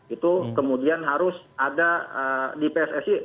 itu kemudian harus ada di pssi